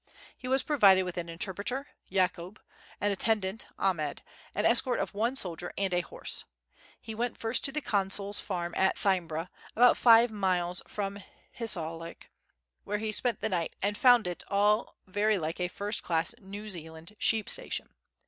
He was provided with an interpreter, Yakoub, an attendant, Ahmed, an escort of one soldier and a horse. He went first to the Consul's farm at Thymbra, about five miles from Hissarlik, where he spent the night and found it "all very like a first class New Zealand sheep station."